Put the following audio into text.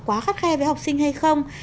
quá khắt khe với học sinh hay không